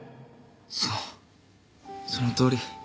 そうそのとおり。